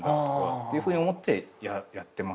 っていうふうに思ってやってます。